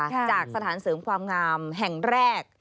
จากสถานเสริมความงามแห่งแรก